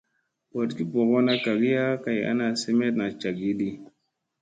Booɗgi ɓorgona kagiya kay ana semeɗna cagiiɗi.